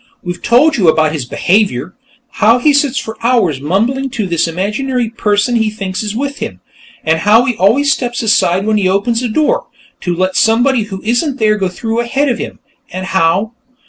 "We've told you about his behavior; how he sits for hours mumbling to this imaginary person he thinks is with him, and how he always steps aside when he opens a door, to let somebody who isn't there go through ahead of him, and how....